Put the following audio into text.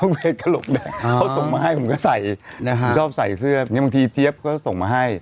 ไปกระหลกแดงเขาส่งมาให้ผมก็ใส่นะฮะชอบใส่เสื้อบางทีเจี๊ยบก็ส่งมาให้